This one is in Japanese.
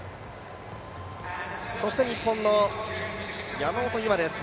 そして日本の山本有真です。